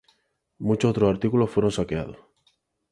Muchos otros artículos fueron saqueados.